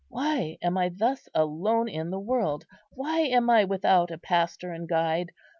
Why am I thus alone in the world? why am I without a pastor and guide?